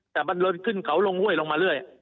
แต่มันลนขึ้นเขาลงห้วยลงมาเรื่อย